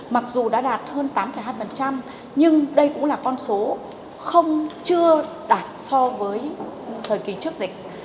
mặc dù đã đạt hơn tám hai nhưng đây cũng là con số không chưa đạt so với thời kỳ trước dịch